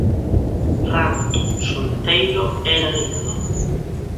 Rato solteiro era leñador.